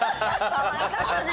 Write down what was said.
かわいかったね。